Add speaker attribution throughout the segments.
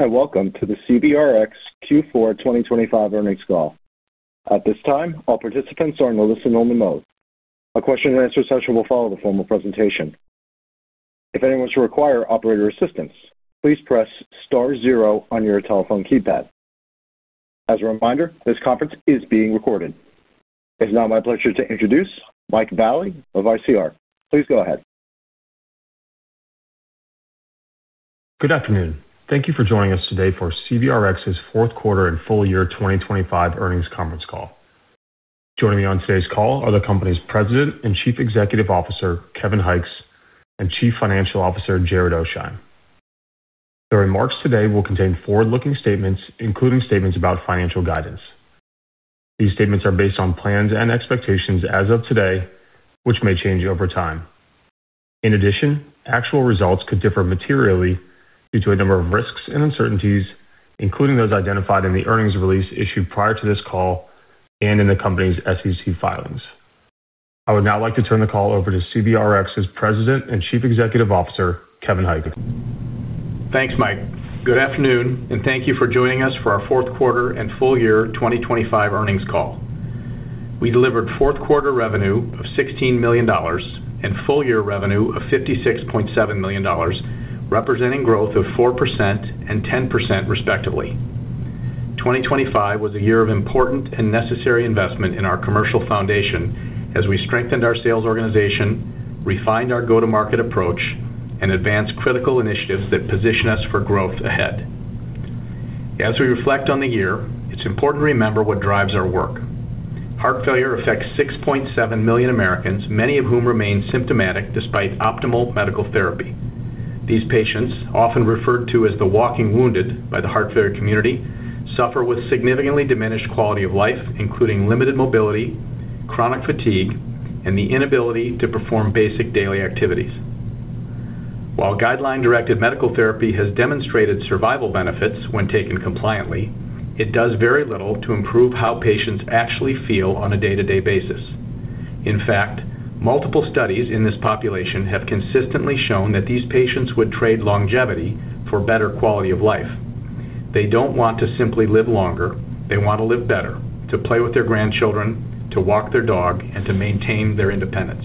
Speaker 1: Welcome to the CVRx Q4 2025 Earnings Call. At this time, all participants are in listen-only mode. A question-and-answer session will follow the formal presentation. If anyone should require operator assistance, please press star zero on your telephone keypad. As a reminder, this conference is being recorded. It's now my pleasure to introduce Mike Vallie of ICR. Please go ahead.
Speaker 2: Good afternoon. Thank you for joining us today for CVRx's fourth quarter and full year 2025 earnings conference call. Joining me on today's call are the company's President and Chief Executive Officer, Kevin Hykes, and Chief Financial Officer, Jared Oasheim. The remarks today will contain forward-looking statements, including statements about financial guidance. These statements are based on plans and expectations as of today, which may change over time. In addition, actual results could differ materially due to a number of risks and uncertainties, including those identified in the earnings release issued prior to this call and in the company's SEC filings. I would now like to turn the call over to CVRx's President and Chief Executive Officer, Kevin Hykes.
Speaker 3: Thanks, Mike. Good afternoon, and thank you for joining us for our fourth quarter and full year 2025 earnings call. We delivered fourth quarter revenue of $16 million and full year revenue of $56.7 million, representing growth of 4% and 10%, respectively. 2025 was a year of important and necessary investment in our commercial foundation as we strengthened our sales organization, refined our go-to-market approach, and advanced critical initiatives that position us for growth ahead. As we reflect on the year, it's important to remember what drives our work. Heart failure affects 6.7 million Americans, many of whom remain symptomatic despite optimal medical therapy. These patients, often referred to as the walking wounded by the heart failure community, suffer with significantly diminished quality of life, including limited mobility, chronic fatigue, and the inability to perform basic daily activities. While guideline-directed medical therapy has demonstrated survival benefits when taken compliantly, it does very little to improve how patients actually feel on a day-to-day basis. In fact, multiple studies in this population have consistently shown that these patients would trade longevity for better quality of life. They don't want to simply live longer. They want to live better, to play with their grandchildren, to walk their dog, and to maintain their independence.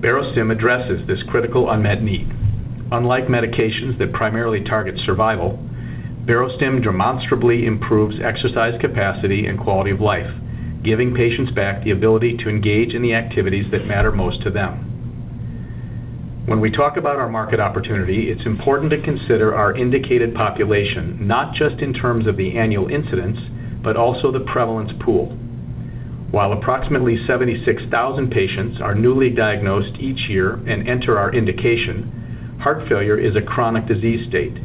Speaker 3: Barostim addresses this critical unmet need. Unlike medications that primarily target survival, Barostim demonstrably improves exercise capacity and quality of life, giving patients back the ability to engage in the activities that matter most to them. When we talk about our market opportunity, it's important to consider our indicated population, not just in terms of the annual incidence, but also the prevalence pool. While approximately 76,000 patients are newly diagnosed each year and enter our indication, heart failure is a chronic disease state.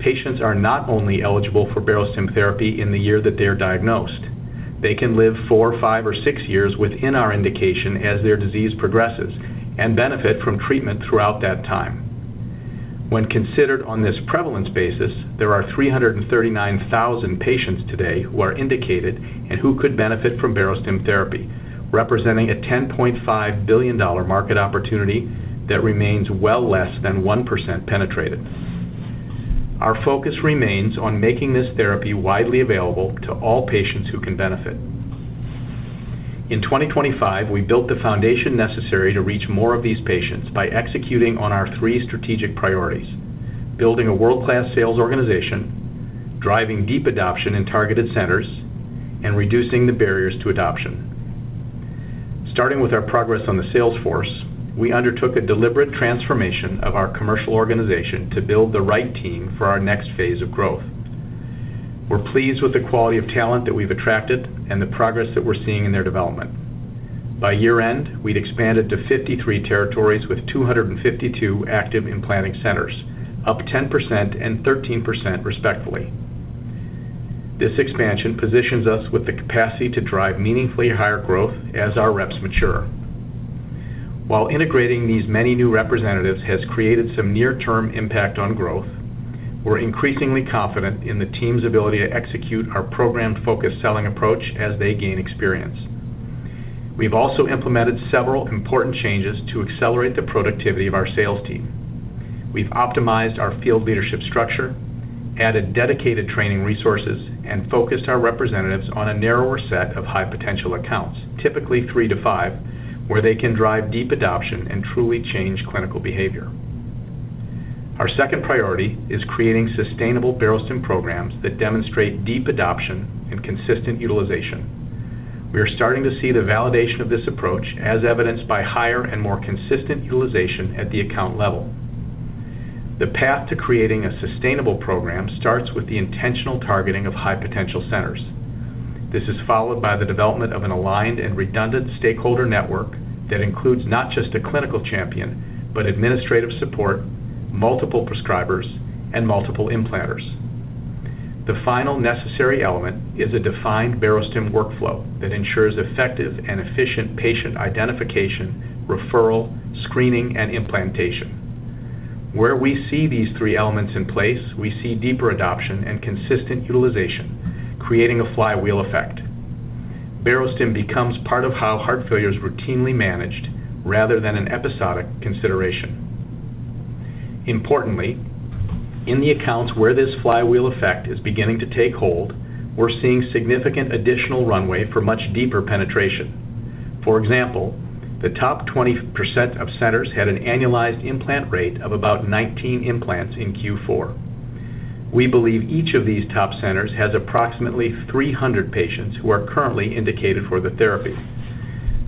Speaker 3: Patients are not only eligible for Barostim therapy in the year that they are diagnosed. They can live four, five, or six years within our indication as their disease progresses and benefit from treatment throughout that time. When considered on this prevalence basis, there are 339,000 patients today who are indicated and who could benefit from Barostim therapy, representing a $10.5 billion market opportunity that remains well less than 1% penetrated. Our focus remains on making this therapy widely available to all patients who can benefit. In 2025, we built the foundation necessary to reach more of these patients by executing on our three strategic priorities: building a world-class sales organization, driving deep adoption in targeted centers, and reducing the barriers to adoption. Starting with our progress on the sales force, we undertook a deliberate transformation of our commercial organization to build the right team for our next phase of growth. We're pleased with the quality of talent that we've attracted and the progress that we're seeing in their development. By year-end, we'd expanded to 53 territories with 252 active implanting centers, up 10% and 13%, respectively. This expansion positions us with the capacity to drive meaningfully higher growth as our reps mature. While integrating these many new representatives has created some near-term impact on growth, we're increasingly confident in the team's ability to execute our program-focused selling approach as they gain experience. We've also implemented several important changes to accelerate the productivity of our sales team. We've optimized our field leadership structure, added dedicated training resources, and focused our representatives on a narrower set of high-potential accounts, typically three to five, where they can drive deep adoption and truly change clinical behavior. Our second priority is creating sustainable Barostim programs that demonstrate deep adoption and consistent utilization. We are starting to see the validation of this approach, as evidenced by higher and more consistent utilization at the account level. The path to creating a sustainable program starts with the intentional targeting of high-potential centers. This is followed by the development of an aligned and redundant stakeholder network that includes not just a clinical champion, but administrative support, multiple prescribers, and multiple implanters. The final necessary element is a defined Barostim workflow that ensures effective and efficient patient identification, referral, screening, and implantation. Where we see these three elements in place, we see deeper adoption and consistent utilization, creating a flywheel effect. Barostim becomes part of how heart failure is routinely managed rather than an episodic consideration. Importantly, in the accounts where this flywheel effect is beginning to take hold, we're seeing significant additional runway for much deeper penetration. For example, the top 20% of centers had an annualized implant rate of about 19 implants in Q4. We believe each of these top centers has approximately 300 patients who are currently indicated for the therapy.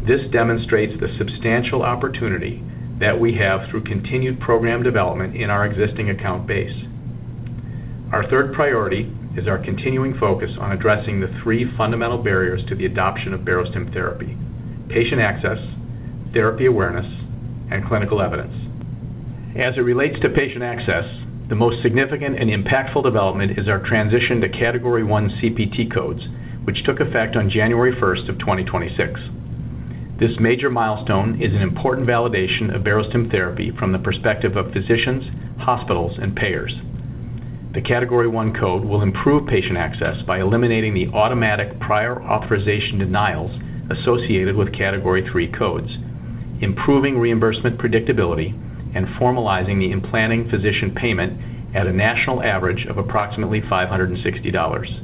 Speaker 3: This demonstrates the substantial opportunity that we have through continued program development in our existing account base. Our third priority is our continuing focus on addressing the three fundamental barriers to the adoption of Barostim therapy: patient access, therapy awareness, and clinical evidence. As it relates to patient access, the most significant and impactful development is our transition to Category I CPT codes, which took effect on January 1st, 2026. This major milestone is an important validation of Barostim therapy from the perspective of physicians, hospitals, and payers. The Category I code will improve patient access by eliminating the automatic prior authorization denials associated with Category III codes, improving reimbursement predictability, and formalizing the implanting physician payment at a national average of approximately $560.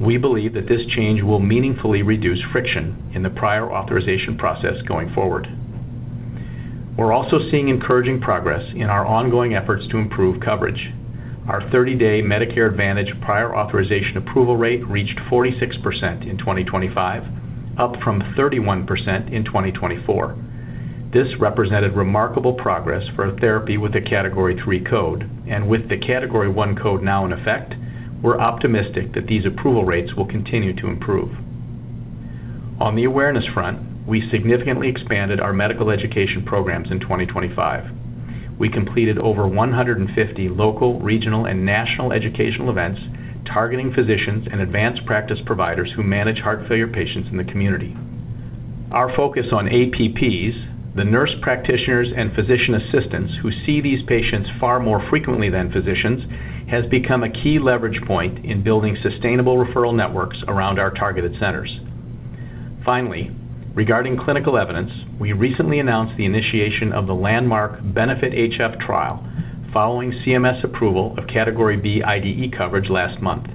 Speaker 3: We believe that this change will meaningfully reduce friction in the prior authorization process going forward. We're also seeing encouraging progress in our ongoing efforts to improve coverage. Our 30-day Medicare Advantage prior authorization approval rate reached 46% in 2025, up from 31% in 2024. This represented remarkable progress for a therapy with a Category III code, and with the Category I code now in effect, we're optimistic that these approval rates will continue to improve. On the awareness front, we significantly expanded our medical education programs in 2025. We completed over 150 local, regional, and national educational events targeting physicians and advanced practice providers who manage heart failure patients in the community. Our focus on APPs, the nurse practitioners and physician assistants who see these patients far more frequently than physicians, has become a key leverage point in building sustainable referral networks around our targeted centers. Finally, regarding clinical evidence, we recently announced the initiation of the landmark BENEFIT-HF trial following CMS approval of Category B IDE coverage last month.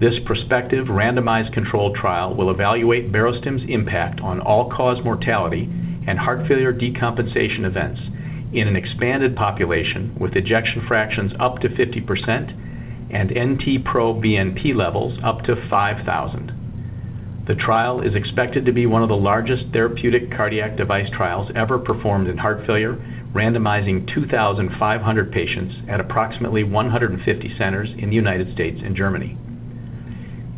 Speaker 3: This prospective randomized controlled trial will evaluate Barostim's impact on all-cause mortality and heart failure decompensation events in an expanded population, with ejection fractions up to 50% and NT-proBNP levels up to 5,000. The trial is expected to be one of the largest therapeutic cardiac device trials ever performed in heart failure, randomizing 2,500 patients at approximately 150 centers in the United States and Germany.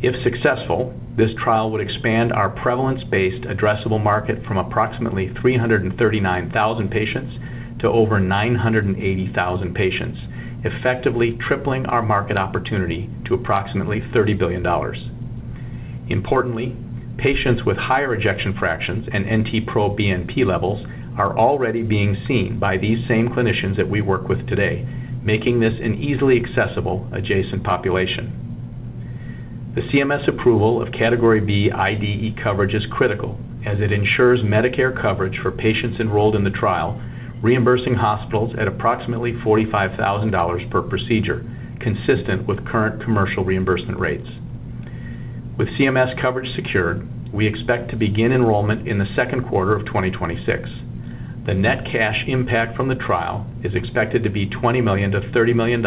Speaker 3: If successful, this trial would expand our prevalence-based addressable market from approximately 339,000 patients to over 980,000 patients, effectively tripling our market opportunity to approximately $30 billion. Importantly, patients with higher ejection fractions and NT-proBNP levels are already being seen by these same clinicians that we work with today, making this an easily accessible adjacent population. The CMS approval of Category B IDE coverage is critical, as it ensures Medicare coverage for patients enrolled in the trial, reimbursing hospitals at approximately $45,000 per procedure, consistent with current commercial reimbursement rates. With CMS coverage secured, we expect to begin enrollment in the second quarter of 2026. The net cash impact from the trial is expected to be $20 million-$30 million,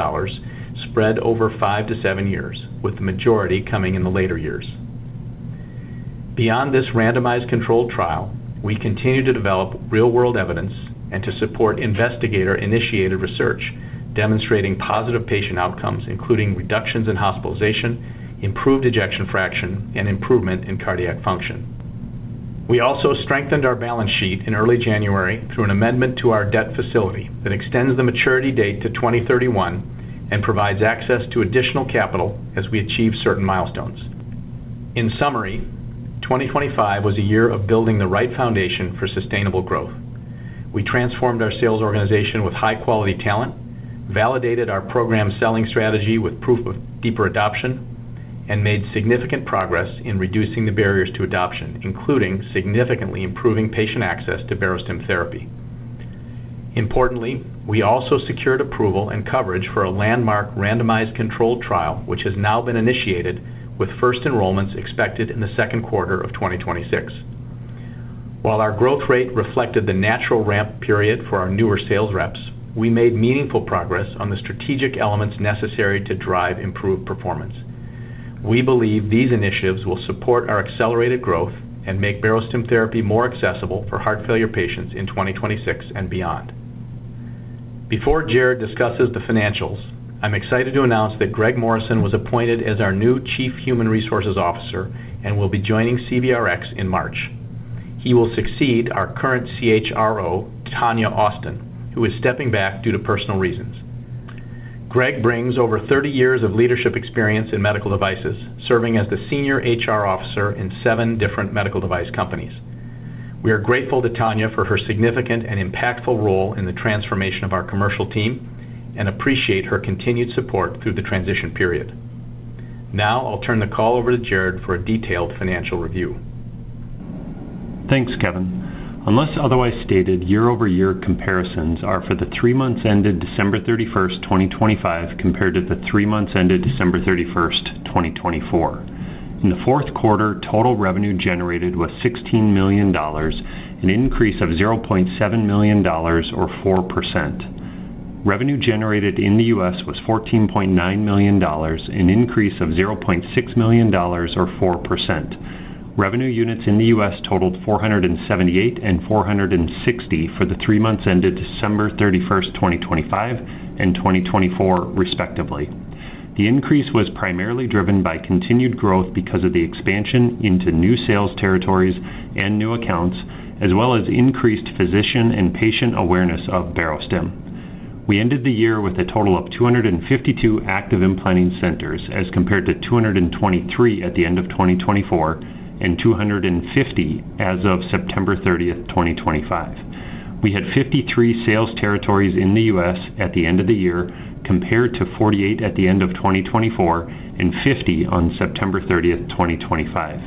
Speaker 3: spread over five to seven years, with the majority coming in the later years. Beyond this randomized controlled trial, we continue to develop real-world evidence and to support investigator-initiated research, demonstrating positive patient outcomes, including reductions in hospitalization, improved ejection fraction, and improvement in cardiac function. We also strengthened our balance sheet in early January through an amendment to our debt facility that extends the maturity date to 2031 and provides access to additional capital as we achieve certain milestones. In summary, 2025 was a year of building the right foundation for sustainable growth. We transformed our sales organization with high-quality talent, validated our program selling strategy with proof of deeper adoption, and made significant progress in reducing the barriers to adoption, including significantly improving patient access to Barostim therapy. Importantly, we also secured approval and coverage for a landmark randomized controlled trial, which has now been initiated, with first enrollments expected in the second quarter of 2026. While our growth rate reflected the natural ramp period for our newer sales reps, we made meaningful progress on the strategic elements necessary to drive improved performance. We believe these initiatives will support our accelerated growth and make Barostim therapy more accessible for heart failure patients in 2026 and beyond. Before Jared discusses the financials, I'm excited to announce that Greg Morrison was appointed as our new Chief Human Resources Officer and will be joining CVRx in March. He will succeed our current CHRO, Tonya Austin, who is stepping back due to personal reasons. Greg brings over 30 years of leadership experience in medical devices, serving as the Senior HR Officer in seven different medical device companies.... We are grateful to Tonya for her significant and impactful role in the transformation of our commercial team, and appreciate her continued support through the transition period. Now, I'll turn the call over to Jared for a detailed financial review.
Speaker 4: Thanks, Kevin. Unless otherwise stated, year-over-year comparisons are for the three months ended December 31st, 2025, compared to the three months ended December 31st, 2024. In the fourth quarter, total revenue generated was $16 million, an increase of $0.7 million or 4%. Revenue generated in the U.S. was $14.9 million, an increase of $0.6 million or 4%. Revenue units in the U.S. totaled 478 and 460 for the three months ended December 31st, 2025 and 2024, respectively. The increase was primarily driven by continued growth because of the expansion into new sales territories and new accounts, as well as increased physician and patient awareness of Barostim. We ended the year with a total of 252 active implanting centers, as compared to 223 at the end of 2024 and 250 as of September 30th, 2025. We had 53 sales territories in the U.S. at the end of the year, compared to 48 at the end of 2024 and 50 on September 30th, 2025.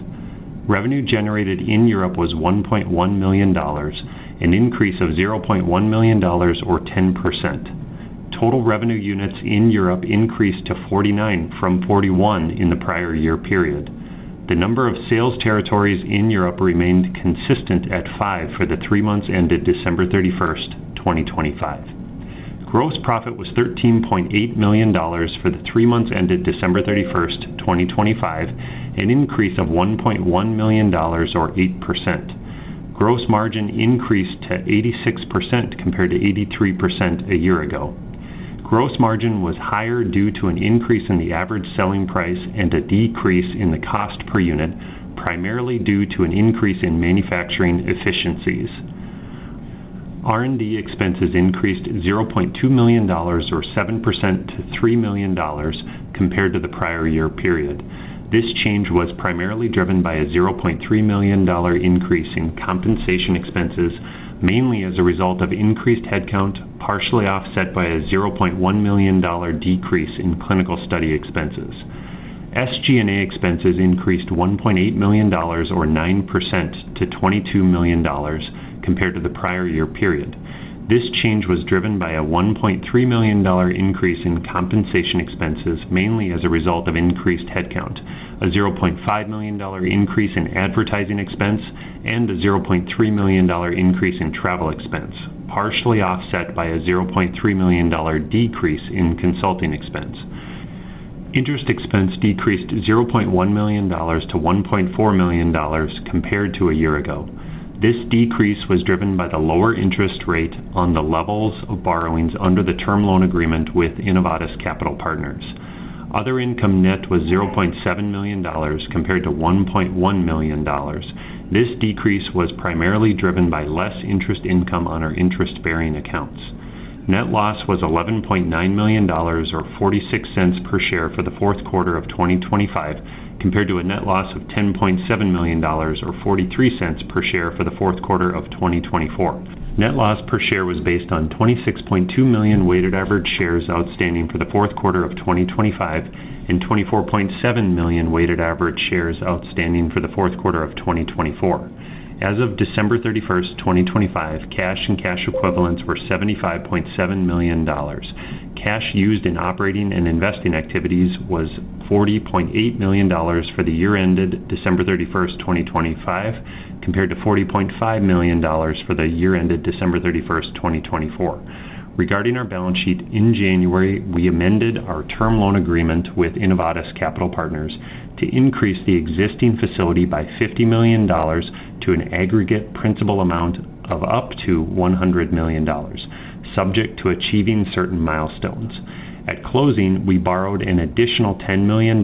Speaker 4: Revenue generated in Europe was $1.1 million, an increase of $0.1 million or 10%. Total revenue units in Europe increased to 49 from 41 in the prior year period. The number of sales territories in Europe remained consistent at five for the three months ended December 31st, 2025. Gross profit was $13.8 million for the three months ended December 31st, 2025, an increase of $1.1 million or 8%. Gross margin increased to 86%, compared to 83% a year ago. Gross margin was higher due to an increase in the average selling price and a decrease in the cost per unit, primarily due to an increase in manufacturing efficiencies. R&D expenses increased $0.2 million or 7% to $3 million compared to the prior year period. This change was primarily driven by a $0.3 million increase in compensation expenses, mainly as a result of increased headcount, partially offset by a $0.1 million decrease in clinical study expenses. SG&A expenses increased $1.8 million or 9% to $22 million compared to the prior year period. This change was driven by a $1.3 million increase in compensation expenses, mainly as a result of increased headcount, a $0.5 million increase in advertising expense, and a $0.3 million increase in travel expense, partially offset by a $0.3 million decrease in consulting expense. Interest expense decreased $0.1 million to $1.4 million compared to a year ago. This decrease was driven by the lower interest rate on the levels of borrowings under the term loan agreement with Innovatus Capital Partners. Other income net was $0.7 million, compared to $1.1 million. This decrease was primarily driven by less interest income on our interest-bearing accounts. Net loss was $11.9 million, or $0.46 per share for the fourth quarter of 2025, compared to a net loss of $10.7 million, or $0.43 per share for the fourth quarter of 2024. Net loss per share was based on 26.2 million weighted average shares outstanding for the fourth quarter of 2025, and 24.7 million weighted average shares outstanding for the fourth quarter of 2024. As of December 31st, 2025, cash and cash equivalents were $75.7 million. Cash used in operating and investing activities was $40.8 million for the year ended December 31st, 2025, compared to $40.5 million for the year ended December 31st, 2024. Regarding our balance sheet, in January, we amended our term loan agreement with Innovatus Capital Partners to increase the existing facility by $50 million to an aggregate principal amount of up to $100 million, subject to achieving certain milestones. At closing, we borrowed an additional $10 million,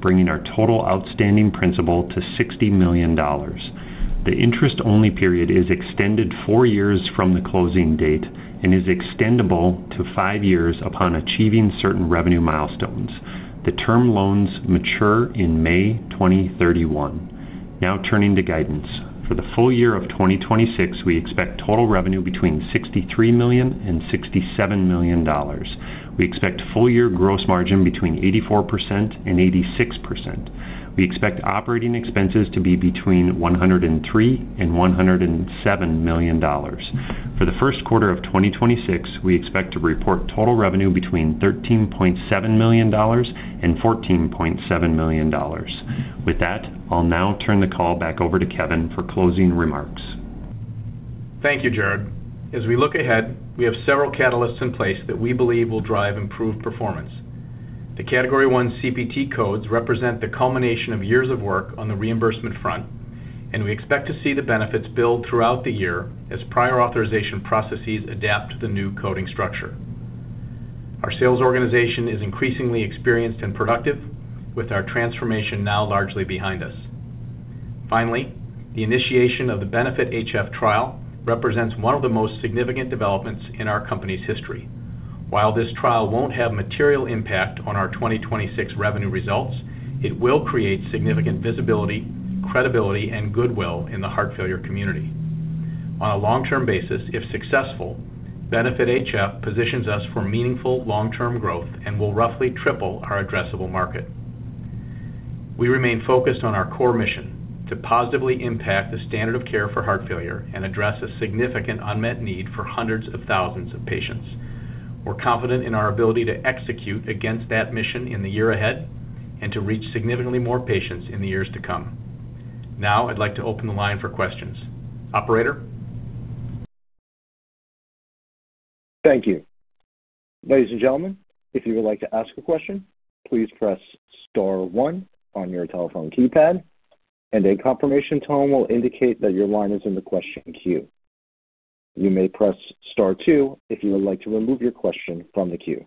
Speaker 4: bringing our total outstanding principal to $60 million. The interest-only period is extended four years from the closing date and is extendable to five years upon achieving certain revenue milestones. The term loans mature in May 2031. Now, turning to guidance. For the full year of 2026, we expect total revenue between $63 million and $67 million. We expect full year gross margin between 84% and 86%. We expect operating expenses to be between $103 million and $107 million. For the first quarter of 2026, we expect to report total revenue between $13.7 million and $14.7 million. With that, I'll now turn the call back over to Kevin for closing remarks.
Speaker 3: Thank you, Jared. As we look ahead, we have several catalysts in place that we believe will drive improved performance. The Category I CPT codes represent the culmination of years of work on the reimbursement front, and we expect to see the benefits build throughout the year as prior authorization processes adapt to the new coding structure. Our sales organization is increasingly experienced and productive, with our transformation now largely behind us. Finally, the initiation of the BENEFIT-HF trial represents one of the most significant developments in our company's history. While this trial won't have material impact on our 2026 revenue results, it will create significant visibility, credibility, and goodwill in the heart failure community. On a long-term basis, if successful, BENEFIT-HF positions us for meaningful long-term growth and will roughly triple our addressable market. We remain focused on our core mission: to positively impact the standard of care for heart failure and address a significant unmet need for hundreds of thousands of patients. We're confident in our ability to execute against that mission in the year ahead and to reach significantly more patients in the years to come. Now, I'd like to open the line for questions. Operator?
Speaker 1: Thank you. Ladies and gentlemen, if you would like to ask a question, please press star one on your telephone keypad, and a confirmation tone will indicate that your line is in the question queue. You may press star two if you would like to remove your question from the queue.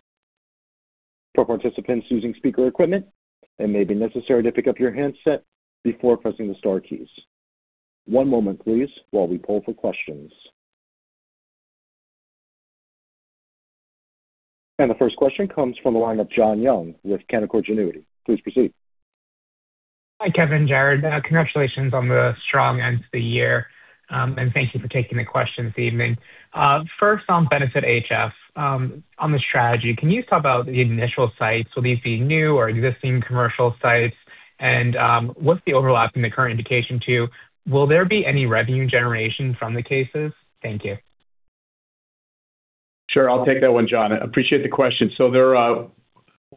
Speaker 1: For participants using speaker equipment, it may be necessary to pick up your handset before pressing the star keys. One moment, please, while we pull for questions. The first question comes from the line of John Young with Canaccord Genuity. Please proceed.
Speaker 5: Hi, Kevin, Jared. Congratulations on the strong end to the year, and thank you for taking the questions this evening. First, on BENEFIT-HF, on the strategy, can you talk about the initial sites? Will these be new or existing commercial sites? And, what's the overlap in the current indication to? Will there be any revenue generation from the cases? Thank you.
Speaker 3: Sure. I'll take that one, John. I appreciate the question. So there are...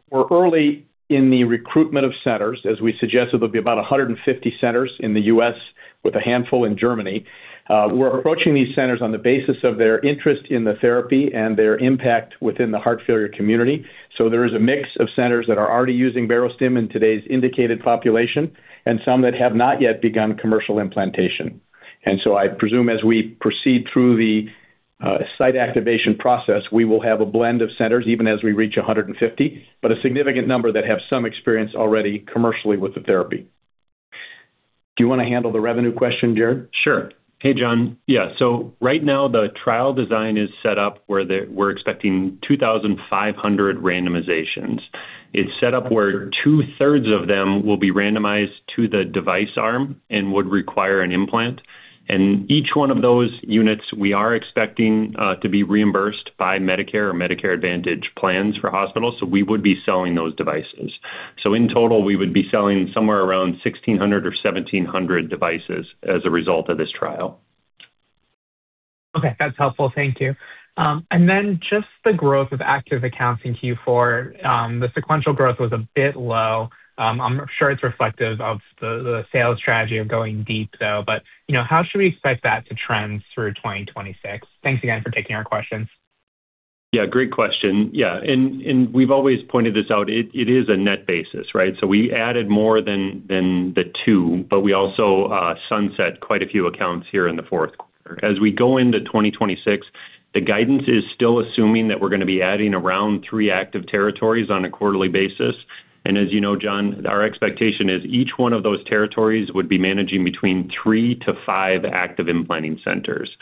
Speaker 3: We're early in the recruitment of centers. As we suggested, there'll be about 150 centers in the U.S. with a handful in Germany. We're approaching these centers on the basis of their interest in the therapy and their impact within the heart failure community. So there is a mix of centers that are already using Barostim in today's indicated population and some that have not yet begun commercial implantation. And so I presume, as we proceed through the site activation process, we will have a blend of centers even as we reach 150, but a significant number that have some experience already commercially with the therapy. Do you want to handle the revenue question, Jared?
Speaker 4: Sure. Hey, John. Yeah, so right now the trial design is set up where we're expecting 2,500 randomizations. It's set up where two-thirds of them will be randomized to the device arm and would require an implant. And each one of those units, we are expecting to be reimbursed by Medicare or Medicare Advantage plans for hospitals, so we would be selling those devices. So in total, we would be selling somewhere around 1,600 or 1,700 devices as a result of this trial.
Speaker 5: Okay, that's helpful. Thank you. And then just the growth of active accounts in Q4, the sequential growth was a bit low. I'm sure it's reflective of the, the sales strategy of going deep, though, but, you know, how should we expect that to trend through 2026? Thanks again for taking our questions.
Speaker 4: Yeah, great question. Yeah, and we've always pointed this out, it is a net basis, right? So we added more than the two, but we also sunset quite a few accounts here in the fourth quarter. As we go into 2026, the guidance is still assuming that we're going to be adding around three active territories on a quarterly basis. And as you know, John, our expectation is each one of those territories would be managing between three to five active implanting centers.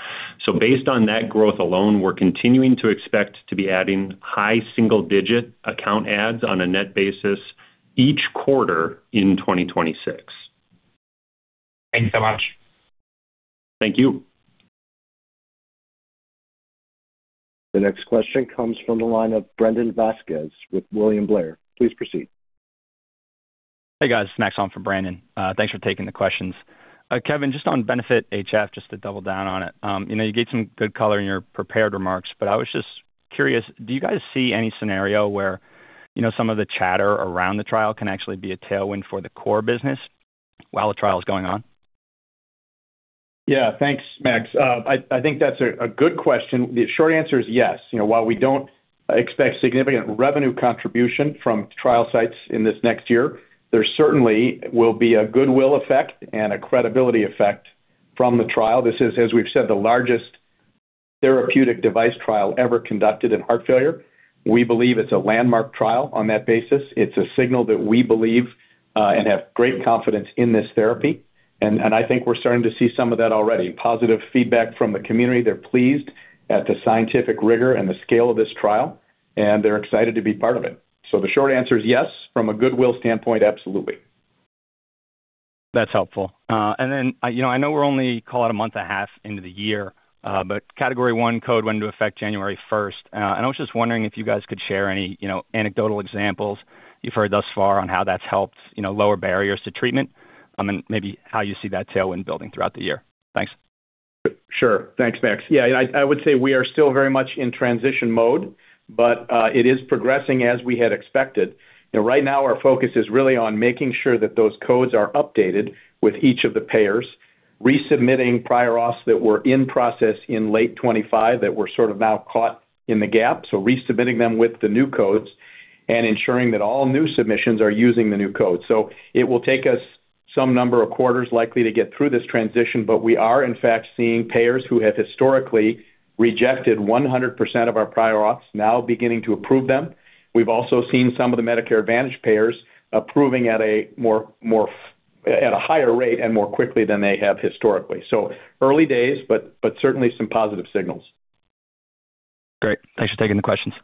Speaker 4: So based on that growth alone, we're continuing to expect to be adding high single-digit account adds on a net basis each quarter in 2026.
Speaker 5: Thank you so much.
Speaker 4: Thank you.
Speaker 1: The next question comes from the line of Brandon Vazquez with William Blair. Please proceed.
Speaker 6: Hey, guys. Max on for Brandon. Thanks for taking the questions. Kevin, just on BENEFIT-HF, just to double down on it, you know, you gave some good color in your prepared remarks, but I was just curious, do you guys see any scenario where, you know, some of the chatter around the trial can actually be a tailwind for the core business while the trial is going on?
Speaker 3: Yeah. Thanks, Max. I think that's a good question. The short answer is yes. You know, while we don't expect significant revenue contribution from trial sites in this next year, there certainly will be a goodwill effect and a credibility effect from the trial. This is, as we've said, the largest therapeutic device trial ever conducted in heart failure. We believe it's a landmark trial on that basis. It's a signal that we believe and have great confidence in this therapy, and I think we're starting to see some of that already. Positive feedback from the community. They're pleased at the scientific rigor and the scale of this trial, and they're excited to be part of it. So the short answer is yes. From a goodwill standpoint, absolutely.
Speaker 6: That's helpful. And then, you know, I know we're only, call it a month and a half into the year, but Category I code went into effect January first. And I was just wondering if you guys could share any, you know, anecdotal examples you've heard thus far on how that's helped, you know, lower barriers to treatment, and maybe how you see that tailwind building throughout the year. Thanks.
Speaker 3: Sure. Thanks, Max. Yeah, and I would say we are still very much in transition mode, but it is progressing as we had expected. You know, right now our focus is really on making sure that those codes are updated with each of the payers, resubmitting prior auths that were in process in late 2025 that were sort of now caught in the gap. So resubmitting them with the new codes and ensuring that all new submissions are using the new codes. So it will take us some number of quarters likely to get through this transition, but we are in fact seeing payers who have historically rejected 100% of our prior auths now beginning to approve them. We've also seen some of the Medicare Advantage payers approving at a more, more f-, at a higher rate and more quickly than they have historically. So early days, but certainly some positive signals.
Speaker 6: Great. Thanks for taking the questions.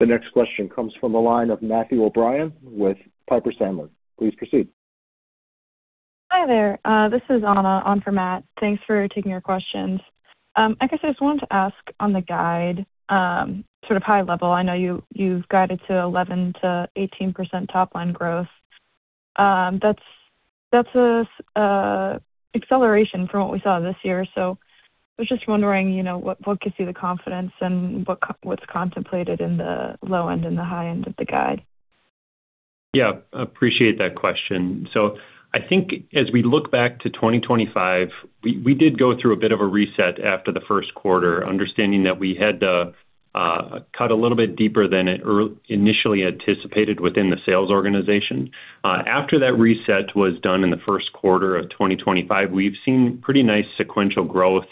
Speaker 1: The next question comes from the line of Matthew O'Brien with Piper Sandler. Please proceed.
Speaker 7: Hi there. This is Anna on for Matt. Thanks for taking our questions. I guess I just wanted to ask on the guide, sort of high level. I know you- you've guided to 11%-18% top line growth. That's, that's a acceleration from what we saw this year. So I was just wondering, you know, what, what gives you the confidence and what, what's contemplated in the low end and the high end of the guide?
Speaker 4: Yeah, appreciate that question. So I think as we look back to 2025, we did go through a bit of a reset after the first quarter, understanding that we had to cut a little bit deeper than initially anticipated within the sales organization. After that reset was done in the first quarter of 2025, we've seen pretty nice sequential growth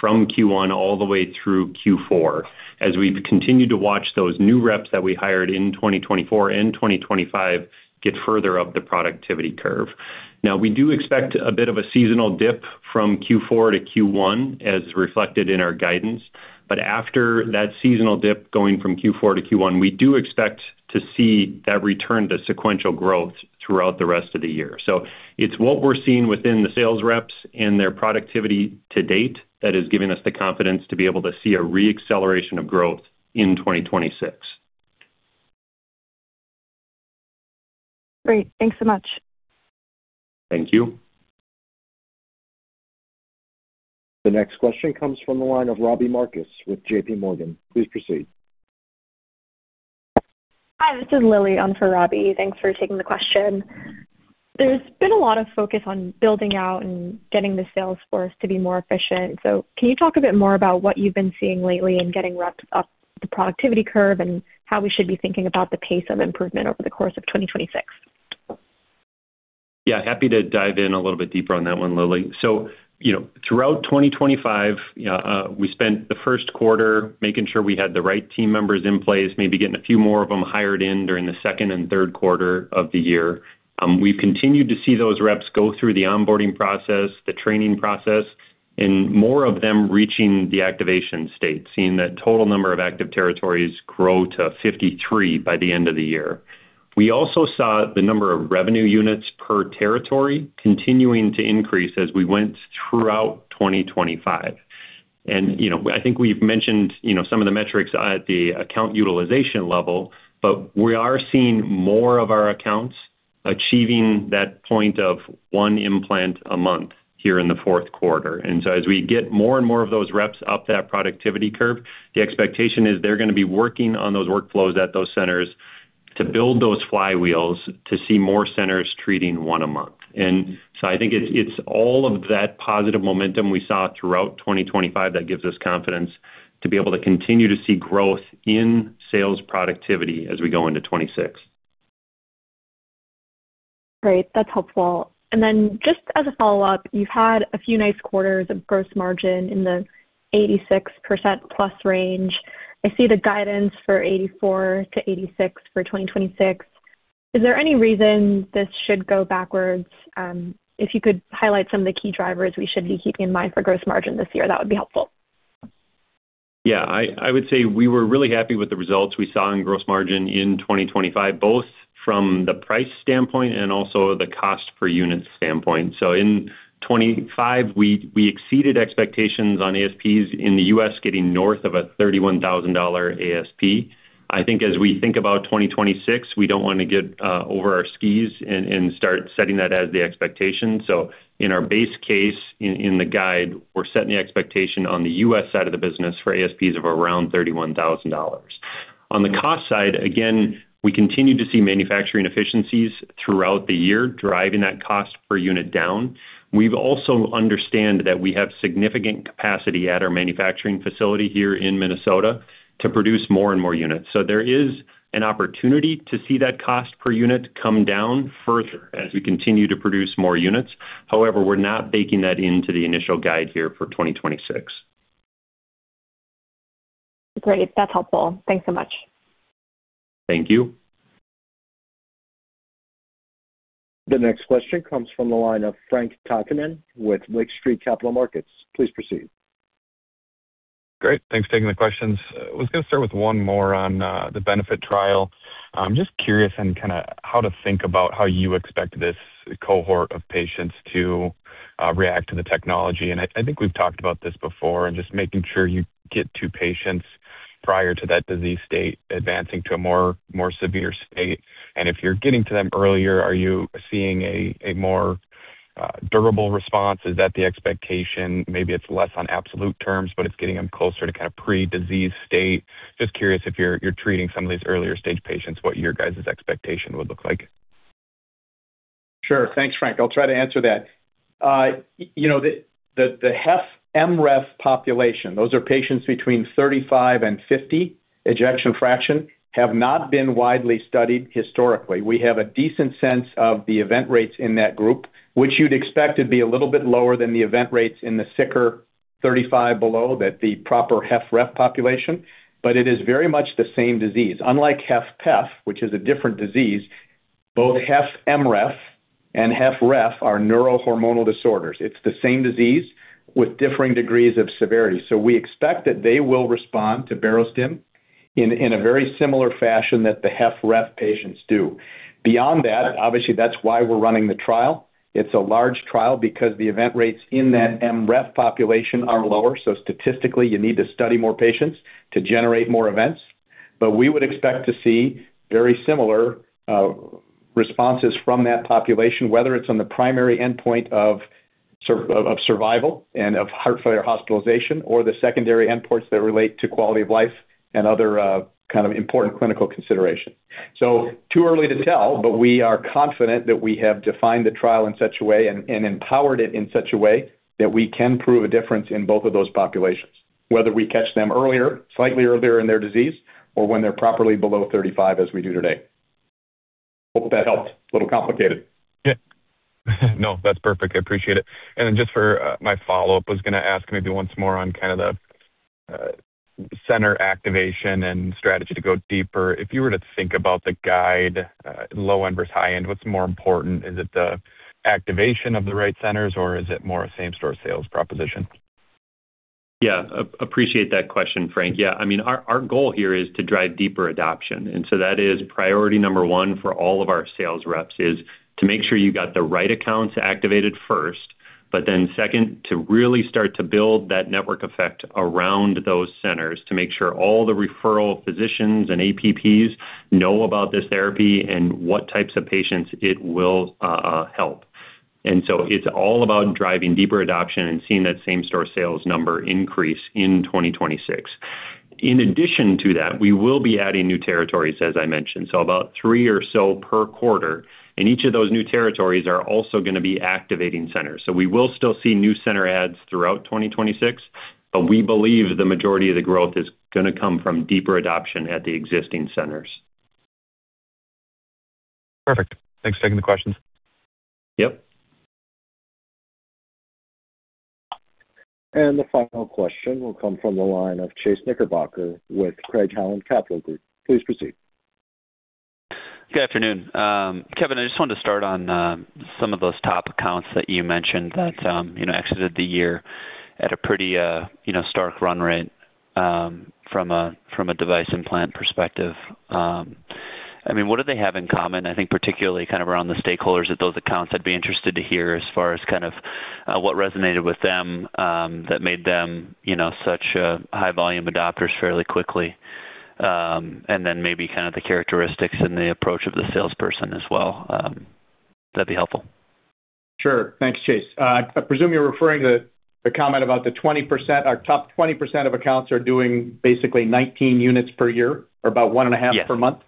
Speaker 4: from Q1 all the way through Q4, as we've continued to watch those new reps that we hired in 2024 and 2025 get further up the productivity curve. Now, we do expect a bit of a seasonal dip from Q4 to Q1, as reflected in our guidance. But after that seasonal dip going from Q4 to Q1, we do expect to see that return to sequential growth throughout the rest of the year. It's what we're seeing within the sales reps and their productivity to date that is giving us the confidence to be able to see a re-acceleration of growth in 2026.
Speaker 7: Great. Thanks so much.
Speaker 1: Thank you. The next question comes from the line of Robbie Marcus with JPMorgan. Please proceed.
Speaker 8: Hi, this is Lily on for Robbie. Thanks for taking the question. There's been a lot of focus on building out and getting the sales force to be more efficient. So can you talk a bit more about what you've been seeing lately in getting reps up the productivity curve and how we should be thinking about the pace of improvement over the course of 2026?
Speaker 4: Yeah, happy to dive in a little bit deeper on that one, Lily. So, you know, throughout 2025, we spent the first quarter making sure we had the right team members in place, maybe getting a few more of them hired in during the second and third quarter of the year. We've continued to see those reps go through the onboarding process, the training process, and more of them reaching the activation state, seeing that total number of active territories grow to 53 by the end of the year. We also saw the number of revenue units per territory continuing to increase as we went throughout 2025. And, you know, I think we've mentioned, you know, some of the metrics at the account utilization level, but we are seeing more of our accounts achieving that point of one implant a month here in the fourth quarter. And so as we get more and more of those reps up that productivity curve, the expectation is they're going to be working on those workflows at those centers to build those flywheels, to see more centers treating one a month. And so I think it's, it's all of that positive momentum we saw throughout 2025 that gives us confidence to be able to continue to see growth in sales productivity as we go into 2026.
Speaker 8: Great. That's helpful. And then just as a follow-up, you've had a few nice quarters of gross margin in the +86% range. I see the guidance for 84%-86% for 2026. Is there any reason this should go backwards? If you could highlight some of the key drivers we should be keeping in mind for gross margin this year, that would be helpful.
Speaker 4: Yeah. I, I would say we were really happy with the results we saw in gross margin in 2025, both from the price standpoint and also the cost per unit standpoint. So in 2025, we, we exceeded expectations on ASPs in the U.S., getting north of a $31,000 ASP. I think as we think about 2026, we don't want to get over our skis and start setting that as the expectation. So in our base case, in, in the guide, we're setting the expectation on the U.S. side of the business for ASPs of around $31,000. On the cost side, again, we continue to see manufacturing efficiencies throughout the year, driving that cost per unit down. We've also understand that we have significant capacity at our manufacturing facility here in Minnesota to produce more and more units. So there is an opportunity to see that cost per unit come down further as we continue to produce more units. However, we're not baking that into the initial guide here for 2026.
Speaker 8: Great. That's helpful. Thanks so much.
Speaker 4: Thank you.
Speaker 1: The next question comes from the line of Frank Takkinen with Lake Street Capital Markets. Please proceed.
Speaker 9: Great. Thanks for taking the questions. I was going to start with one more on the Benefit trial. I'm just curious on kinda how to think about how you expect this cohort of patients to react to the technology. And I think we've talked about this before, and just making sure you get to patients prior to that disease state advancing to a more severe state. And if you're getting to them earlier, are you seeing a more durable response? Is that the expectation? Maybe it's less on absolute terms, but it's getting them closer to kind of pre-disease state. Just curious if you're treating some of these earlier stage patients, what your guys's expectation would look like.
Speaker 3: Sure. Thanks, Frank. I'll try to answer that. You know, the HFmrEF population, those are patients between 35 and 50 ejection fraction, have not been widely studied historically. We have a decent sense of the event rates in that group, which you'd expect to be a little bit lower than the event rates in the sicker-, 35 below that the proper HFrEF population, but it is very much the same disease. Unlike HFpEF, which is a different disease, both HFmrEF and HFrEF are neurohormonal disorders. It's the same disease with differing degrees of severity. So we expect that they will respond to Barostim in a very similar fashion that the HFrEF patients do. Beyond that, obviously, that's why we're running the trial. It's a large trial because the event rates in that mrEF population are lower. So statistically, you need to study more patients to generate more events. But we would expect to see very similar responses from that population, whether it's on the primary endpoint of survival and heart failure hospitalization, or the secondary endpoints that relate to quality of life and other kind of important clinical considerations. So, too early to tell, but we are confident that we have defined the trial in such a way and empowered it in such a way that we can prove a difference in both of those populations, whether we catch them earlier, slightly earlier in their disease or when they're properly below 35, as we do today. Hope that helped. A little complicated.
Speaker 9: Yeah. No, that's perfect. I appreciate it. And then just for my follow-up, I was gonna ask maybe once more on kind of the center activation and strategy to go deeper. If you were to think about the guide low end versus high end, what's more important? Is it the activation of the right centers, or is it more a same-store sales proposition?
Speaker 4: Yeah, appreciate that question, Frank. Yeah, I mean, our goal here is to drive deeper adoption, and so that is priority number one for all of our sales reps, is to make sure you got the right accounts activated first, but then second, to really start to build that network effect around those centers to make sure all the referral physicians and APPs know about this therapy and what types of patients it will help. And so it's all about driving deeper adoption and seeing that same-store sales number increase in 2026. In addition to that, we will be adding new territories, as I mentioned, so about three or so per quarter, and each of those new territories are also gonna be activating centers. We will still see new center adds throughout 2026, but we believe the majority of the growth is gonna come from deeper adoption at the existing centers.
Speaker 9: Perfect. Thanks for taking the questions.
Speaker 4: Yep.
Speaker 1: The final question will come from the line of Chase Knickerbocker with Craig-Hallum Capital Group. Please proceed.
Speaker 10: Good afternoon. Kevin, I just wanted to start on some of those top accounts that you mentioned that you know, exited the year at a pretty you know, strong run rate from a device implant perspective. I mean, what do they have in common? I think particularly kind of around the stakeholders at those accounts, I'd be interested to hear as far as kind of what resonated with them that made them you know, such high-volume adopters fairly quickly. And then maybe kind of the characteristics and the approach of the salesperson as well, that'd be helpful.
Speaker 3: Sure. Thanks, Chase. I presume you're referring to the comment about the 20%, our top 20% of accounts are doing basically 19 units per year, or about one and a half per month?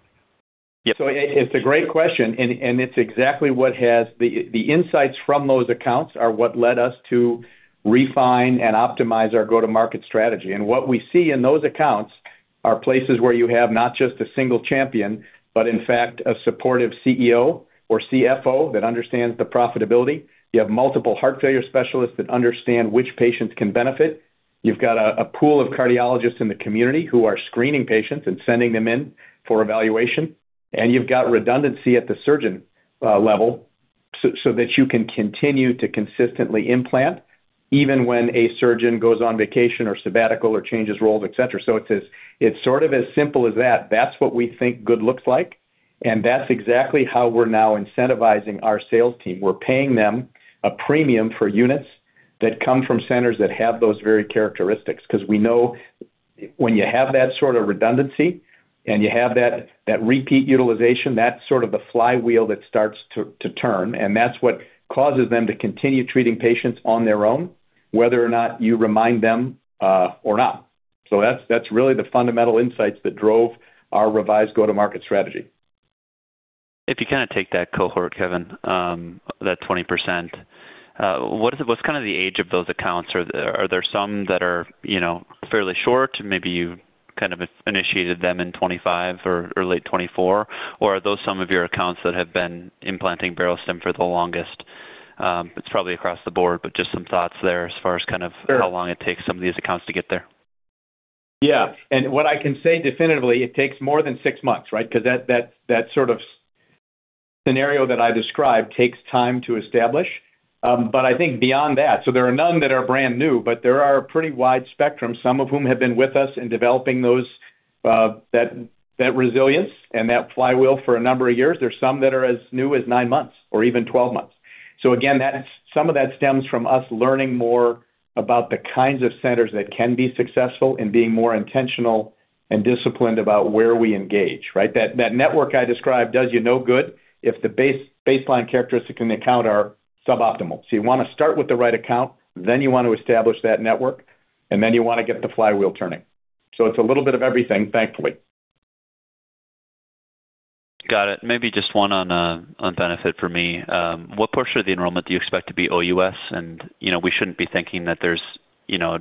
Speaker 10: Yes.
Speaker 3: So, it's a great question, and it's exactly what has... The insights from those accounts are what led us to refine and optimize our go-to-market strategy. And what we see in those accounts are places where you have not just a single champion, but in fact, a supportive CEO or CFO that understands the profitability. You have multiple heart failure specialists that understand which patients can benefit. You've got a pool of cardiologists in the community who are screening patients and sending them in for evaluation, and you've got redundancy at the surgeon level, so that you can continue to consistently implant, even when a surgeon goes on vacation or sabbatical or changes roles, et cetera. So it's sort of as simple as that. That's what we think good looks like, and that's exactly how we're now incentivizing our sales team. We're paying them a premium for units that come from centers that have those very characteristics. 'Cause we know when you have that sort of redundancy, and you have that, that repeat utilization, that's sort of the flywheel that starts to, to turn, and that's what causes them to continue treating patients on their own, whether or not you remind them, or not. So that's, that's really the fundamental insights that drove our revised go-to-market strategy.
Speaker 10: If you kinda take that cohort, Kevin, that 20%, what's kind of the age of those accounts? Are there some that are, you know, fairly short, maybe you kind of initiated them in 2025 or early 2024, or are those some of your accounts that have been implanting Barostim for the longest? It's probably across the board, but just some thoughts there as far as kind of-
Speaker 3: Sure....
Speaker 10: how long it takes some of these accounts to get there.
Speaker 3: Yeah. And what I can say definitively, it takes more than six months, right? Because that sort of scenario that I described takes time to establish. But I think beyond that, so there are none that are brand new, but there are a pretty wide spectrum, some of whom have been with us in developing those, that resilience and that flywheel for a number of years. There are some that are as new as nine months or even 12 months. So again, that's, some of that stems from us learning more about the kinds of centers that can be successful in being more intentional and disciplined about where we engage, right? That network I described does you no good if the baseline characteristics in the account are suboptimal. So you want to start with the right account, then you want to establish that network, and then you want to get the flywheel turning. So it's a little bit of everything, thankfully.
Speaker 10: Got it. Maybe just one on, on BENEFIT for me. What portion of the enrollment do you expect to be OUS? And, you know, we shouldn't be thinking that there's, you know,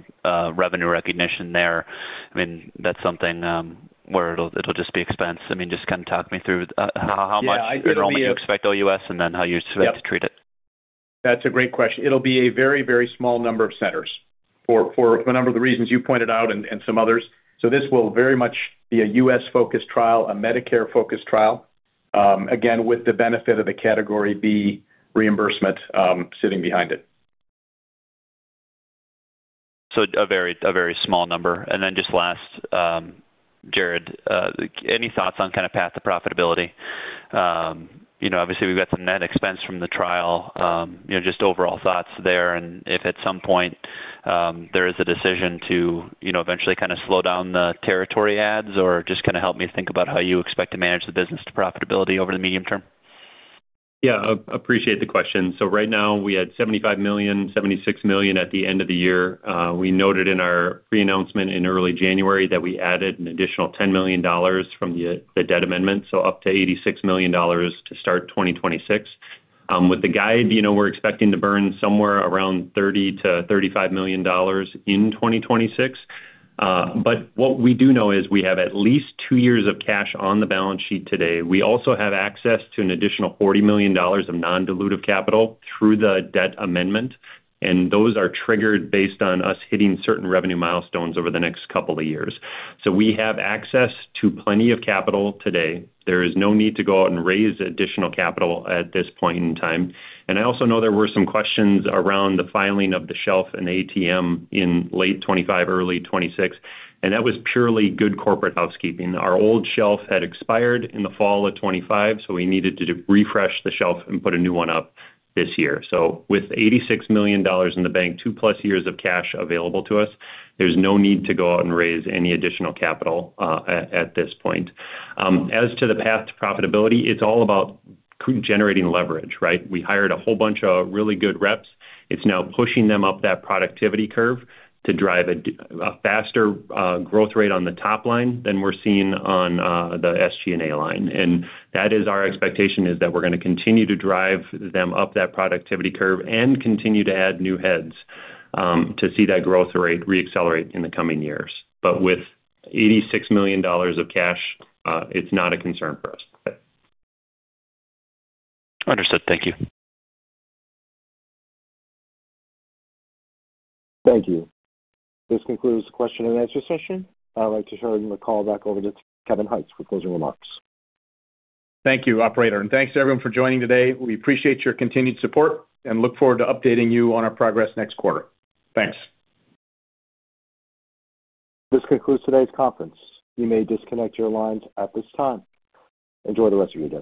Speaker 10: revenue recognition there. I mean, that's something, where it'll, it'll just be expense. I mean, just kind of talk me through, how, how much-
Speaker 3: Yeah, I think it'll be-
Speaker 10: Do you expect all U.S. and then how you expect to treat it?
Speaker 3: That's a great question. It'll be a very, very small number of centers for, for a number of the reasons you pointed out and, and some others. So this will very much be a U.S.-focused trial, a Medicare-focused trial, again, with the benefit of a Category B reimbursement, sitting behind it.
Speaker 10: So a very, a very small number. And then just last, Jared, any thoughts on kind of path to profitability? You know, obviously, we've got some net expense from the trial. You know, just overall thoughts there, and if at some point, there is a decision to, you know, eventually kind of slow down the territory adds or just kind of help me think about how you expect to manage the business to profitability over the medium term.
Speaker 4: Yeah, appreciate the question. So right now, we had $75 million, $76 million at the end of the year. We noted in our pre-announcement in early January that we added an additional $10 million from the, the debt amendment, so up to $86 million to start 2026. With the guide, you know, we're expecting to burn somewhere around $30 million-$35 million in 2026. But what we do know is we have at least two years of cash on the balance sheet today. We also have access to an additional $40 million of non-dilutive capital through the debt amendment, and those are triggered based on us hitting certain revenue milestones over the next couple of years. So we have access to plenty of capital today. There is no need to go out and raise additional capital at this point in time. I also know there were some questions around the filing of the shelf and ATM in late 2025, early 2026, and that was purely good corporate housekeeping. Our old shelf had expired in the fall of 2025, so we needed to refresh the shelf and put a new one up this year. With $86 million in the bank, two-plus years of cash available to us, there's no need to go out and raise any additional capital at this point. As to the path to profitability, it's all about generating leverage, right? We hired a whole bunch of really good reps. It's now pushing them up that productivity curve to drive a faster growth rate on the top line than we're seeing on the SG&A line. That is our expectation, is that we're going to continue to drive them up that productivity curve and continue to add new heads, to see that growth rate reaccelerate in the coming years. But with $86 million of cash, it's not a concern for us.
Speaker 10: Understood. Thank you.
Speaker 1: Thank you. This concludes the question and answer session. I'd like to turn the call back over to Kevin Hykes for closing remarks.
Speaker 3: Thank you, operator, and thanks, everyone, for joining today. We appreciate your continued support and look forward to updating you on our progress next quarter. Thanks.
Speaker 1: This concludes today's conference. You may disconnect your lines at this time. Enjoy the rest of your day.